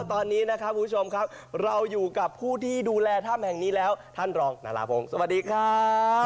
ตอนนี้นะครับคุณผู้ชมครับเราอยู่กับผู้ที่ดูแลถ้ำแห่งนี้แล้วท่านรองนาราพงศ์สวัสดีครับ